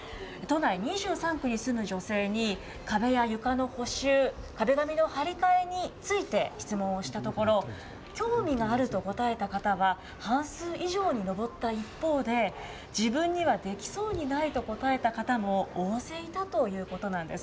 都内２３区に住む女性に、壁や床の補修、壁紙の貼り替えについて質問をしたところ、興味があると答えた方は半数以上に上った一方で、自分にはできそうにないと答えた方も大勢いたということなんです。